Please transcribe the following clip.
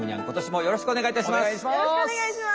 よろしくお願いします。